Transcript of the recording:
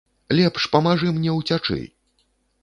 Лепш памажы мне ўцячы!